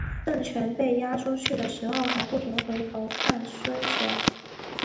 郑泉被押出去的时候还不停回头看孙权。